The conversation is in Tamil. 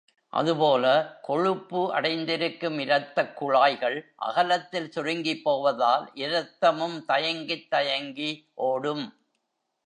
அதுபோல, கொழுப்பு அடைந்திருக்கும் இரத்தக் குழாய்கள் அகலத்தில் சுருங்கிப்போவதால், இரத்தமும் தயங்கித் தயங்கி ஓடும்.